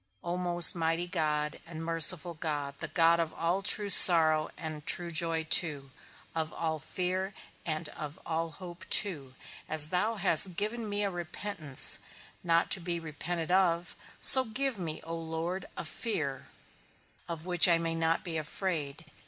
O most mighty God, and merciful God, the God of all true sorrow, and true joy too, of all fear, and of all hope too, as thou hast given me a repentance, not to be repented of, so give me, O Lord, a fear, of which I may not be afraid.